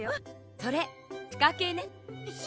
それしかけね。